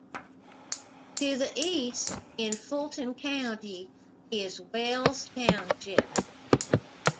To the east, in Fulton County, is Wells Township.